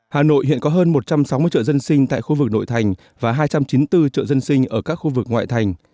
hà nội hiện có hơn một trăm sáu mươi chợ dân sinh tại khu vực nội thành và hai trăm chín mươi bốn chợ dân sinh ở các khu vực ngoại thành